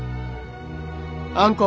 あんこ。